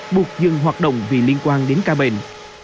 buộc dừng hoạt động vì liên quan đến ca bệnh